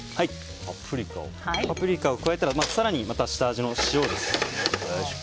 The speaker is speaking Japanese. パプリカを加えたら更に下味の塩です。